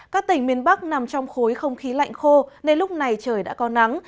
các tỉnh miền bắc nằm trong khối không khí lạnh khô nên lúc này trời đã có nắng